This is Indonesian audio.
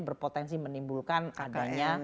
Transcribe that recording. berpotensi menimbulkan adanya